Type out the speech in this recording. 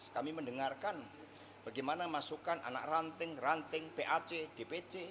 kami mendengarkan bagaimana masukan anak ranting ranting pac dpc